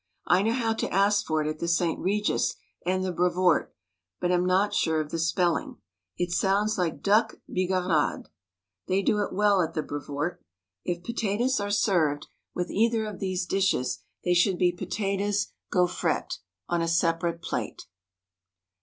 I know how to ask for it at the St. Regis and the Brevoort, but am not sure of the spelling. It sounds like Duck "Bigarade." They do it well at the Brevoort If potatoes are served THE STAG COOK BOOK with either of these dishes they should be potatoes gau frettes — on a separate plate.